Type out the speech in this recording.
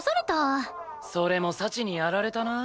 それも幸にやられたな。